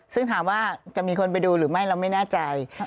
ซึ่งถามว่าจะมีคนไปดูหรือไม่เราไม่แน่ใจ